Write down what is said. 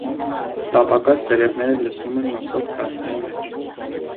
Տապակած տերևները լցնում են մսով կացայի մեջ։